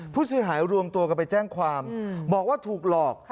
ผู้เสียหายรวมตัวกันไปแจ้งความบอกว่าถูกหลอก